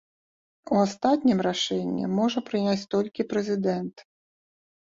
У астатнім рашэнне можа прыняць толькі прэзідэнт.